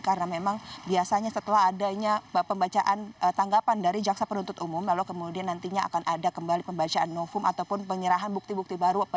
karena memang biasanya setelah adanya pembacaan tanggapan dari jaksa penuntut umum lalu kemudian nantinya akan ada kembali pembacaan novum ataupun penyerahan bukti bukti baru